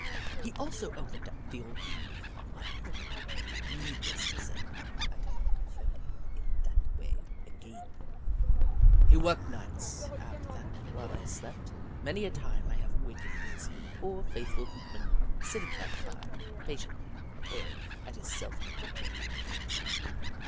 He also opened up the old wound on my head. Needless to say. I did not offend him in that way again. Hoot Mon 217 He worked nights, after that, while I slept. Many a time I have wakened and seen poor, faithful Hoot Mon sitting by the fire, patiently toiling at his self appointed task.